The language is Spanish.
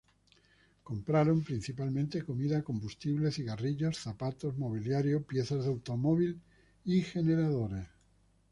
Compraron principalmente comida, combustible, cigarrillos, zapatos, mobiliario, piezas de automóvil y generadores.